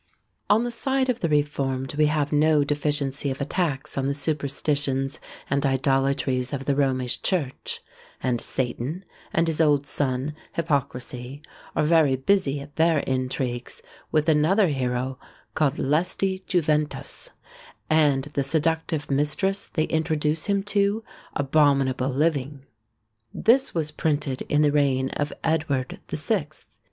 On the side of the Reformed we have no deficiency of attacks on the superstitions and idolatries of the Romish church; and Satan, and his old son Hypocrisy, are very busy at their intrigues with another hero called "Lusty Juventus," and the seductive mistress they introduce him to, "Abominable Living:" this was printed in the reign of Edward the Sixth.